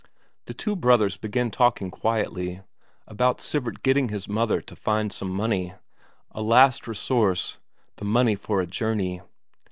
The two brothers begin talking quietly; about Sivert getting his mother to find some money; a last resource, the money for a journey.